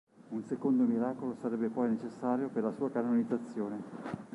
Un secondo miracolo sarebbe poi necessario per la sua canonizzazione.